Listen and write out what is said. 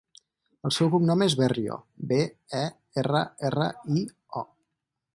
El seu cognom és Berrio: be, e, erra, erra, i, o.